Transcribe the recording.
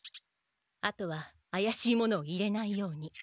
あとはあやしい者を入れないように。